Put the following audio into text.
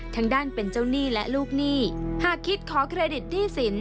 ทางด้านเป็นเจ้าหนี้และลูกหนี้หากคิดขอเครดิตหนี้สิน